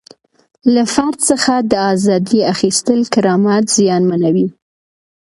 له فرد څخه د ازادۍ اخیستل کرامت زیانمنوي.